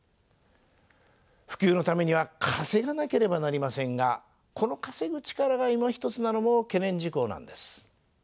普及のためには稼がなければなりませんがこの稼ぐ力がいまひとつなのも懸念事項なんです。